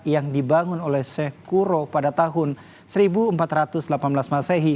yang dibangun oleh sheikh kuro pada tahun seribu empat ratus delapan belas masehi